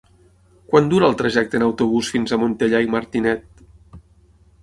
Quant dura el trajecte en autobús fins a Montellà i Martinet?